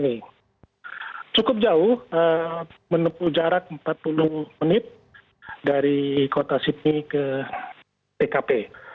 ini cukup jauh menempuh jarak empat puluh menit dari kota sydney ke tkp